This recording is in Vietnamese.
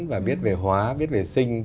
và biết về hóa biết về sinh